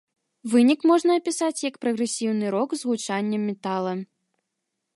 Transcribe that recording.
Вынік можна апісаць як прагрэсіўны рок з гучаннем метала.